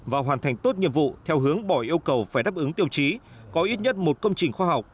và hoàn thành tốt nhiệm vụ theo hướng bỏ yêu cầu phải đáp ứng tiêu chí có ít nhất một công trình khoa học